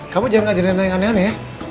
kamu jangan ngajarin anak yang aneh aneh ya